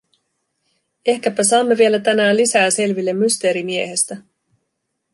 Ehkäpä saamme vielä tänään lisää selville Mysteerimiehestä.